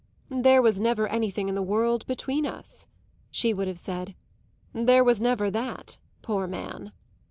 "There was never anything in the world between us," she would have said. "There was never that, poor man!"